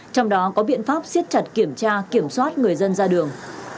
trong đó có biện pháp siết chặt kiểm tra kiểm soát người dân ra đường